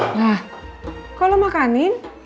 nah kok lu makanin